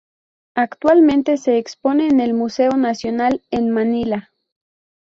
Actualmente se expone en el Museo Nacional en Manila.